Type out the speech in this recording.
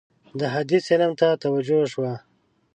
د حدیث علم ته توجه وشوه.